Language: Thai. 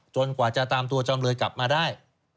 กว่าจะตามตัวจำเลยกลับมาได้